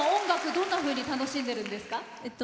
どんなふうに楽しんでるんですか？